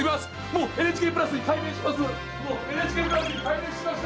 もうＮＨＫプラスに改名しました！